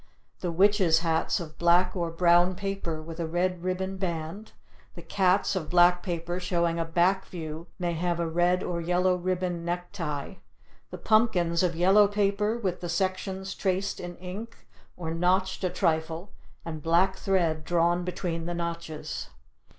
The witches' hats of black or brown paper with a red ribbon band; the cats of black paper showing a back view may have a red or yellow ribbon necktie; the pumpkins of yellow paper with the sections traced in ink or notched a trifle and black thread drawn between the notches.